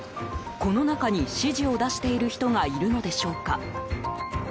この中に、指示を出している人がいるのでしょうか？